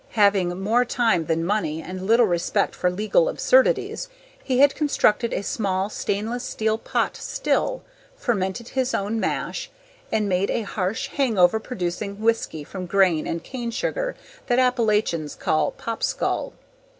Having more time than money and little respect for legal absurdities, he had constructed a small stainless steel pot still, fermented his own mash, and made a harsh, hangover producing whiskey from grain and cane sugar that Appalachians call "popskull."